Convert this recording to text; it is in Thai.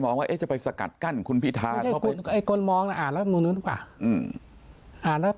มองว่าจะไปสกัดกั้นคุณพิธาคนมองอ่ามงนู้นป่ะอ่ารัฐ